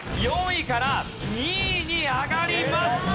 ４位から２位に上がります。